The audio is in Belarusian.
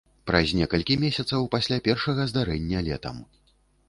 Праз некалькі месяцаў пасля першага здарэння летам.